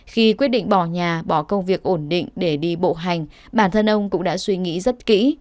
khi quyết định bỏ nhà bỏ công việc ổn định để đi bộ hành bản thân ông cũng đã suy nghĩ rất kỹ